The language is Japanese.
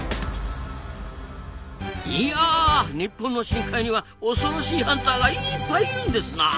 いや日本の深海には恐ろしいハンターがいっぱいいるんですなあ。